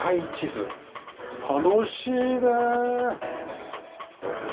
楽しいねえ。